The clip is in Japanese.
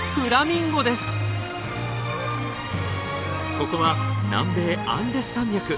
ここは南米アンデス山脈。